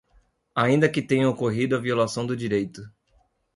ainda que tenha ocorrido a violação do direito.